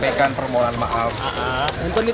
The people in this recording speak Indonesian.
ekonomi gak bertumbuh